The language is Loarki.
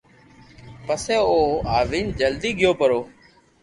پسي او او آوين جلدي گيو پرو